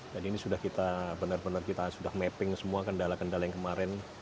jadi ini sudah kita benar benar kita sudah mapping semua kendala kendala yang kemarin